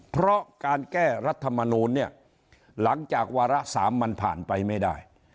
เพราะการแก้รัฐมนูลเนี่ยหลังจากวาระ๓มันผ่านไปไม่ได้